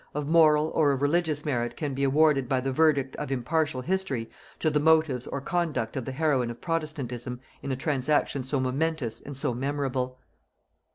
of moral or of religious merit can be awarded by the verdict of impartial history to the motives or conduct of the heroine of protestantism in a transaction so momentous and so memorable.